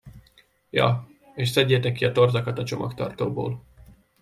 Ja, és szedjétek ki a torzakat a csomagtartóból.